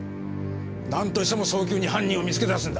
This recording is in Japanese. なんとしても早急に犯人を見つけ出すんだ。